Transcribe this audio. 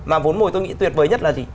mà vốn mồi tôi nghĩ tuyệt vời nhất là gì